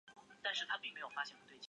而语素可能不能独立存在。